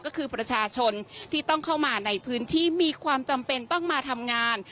ก็คือประชาชนที่ต้องเข้ามาในพื้นที่มีความจำเป็นต้องมาทำงาน